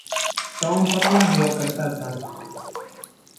Tom पतला हुआ करता था।